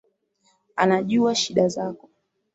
Anajua shida zako.